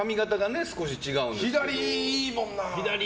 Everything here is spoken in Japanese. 左いいもんな。